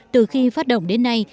từ khi phát động đến nay